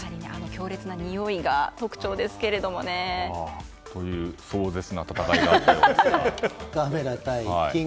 強烈なにおいが特徴ですけども。という壮絶な戦いだったようですが。